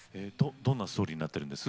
どんなストーリーになってるんです？